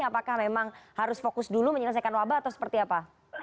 apakah memang harus fokus dulu menyelesaikan wabah atau seperti apa